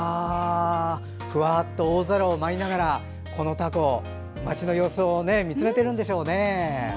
ふわっと大空を舞いながらこのたこ、街の様子を見つめてるんでしょうね。